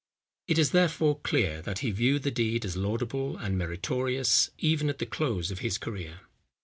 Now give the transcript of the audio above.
It is, therefore, clear, that he viewed the deed as laudable and meritorious, even at the close of his career.